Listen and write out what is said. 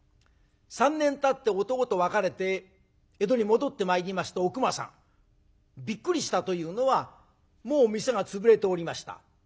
３年たって男と別れて江戸に戻ってまいりますとおくまさんびっくりしたというのはもう店が潰れておりました。